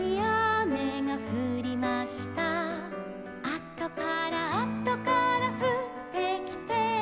「あとからあとからふってきて」